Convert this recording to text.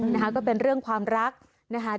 นะคะก็เป็นเรื่องความรักนะคะ